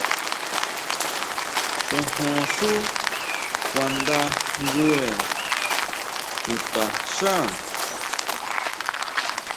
Xojón xú kuandajngure chutaxá.